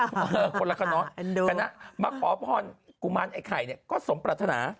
คนละกันเนอะกันนะมาขอพรกุมารไอ้ไข่เนี่ยก็สมปรัฐนา